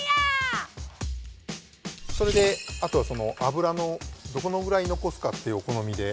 それであとは脂のどのぐらい残すかっていうお好みで。